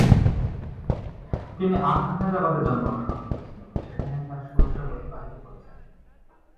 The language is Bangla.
তিনি আহমেদাবাদে জন্মগ্রহণ করেছেন এবং সেখানেই তাঁর শৈশব অতিবাহিত করেছেন।